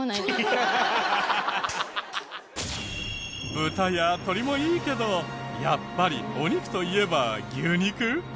豚や鶏もいいけどやっぱりお肉といえば牛肉？